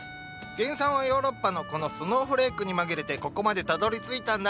原産はヨーロッパのこのスノーフレークに紛れてここまでたどりついたんだ。